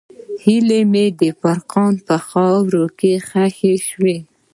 هیلې مې د فراق په خاوره کې ښخې شوې.